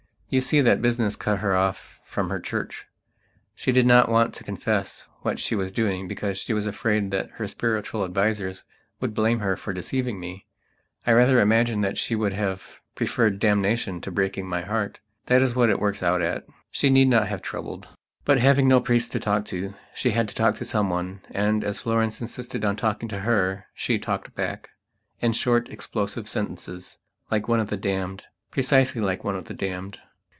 You see that business cut her off from her Church. She did not want to confess what she was doing because she was afraid that her spiritual advisers would blame her for deceiving me. I rather imagine that she would have preferred damnation to breaking my heart. That is what it works out at. She need not have troubled. But, having no priests to talk to, she had to talk to someone, and as Florence insisted on talking to her, she talked back, in short, explosive sentences, like one of the damned. Precisely like one of the damned.